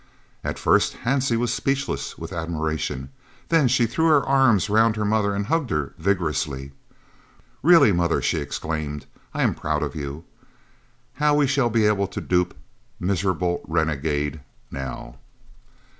At first Hansie was speechless with admiration; then she threw her arms round her mother and hugged her vigorously. "Really, mother," she exclaimed, "I am proud of you. How we shall be able to dupe 'Miserable Renegade' now!"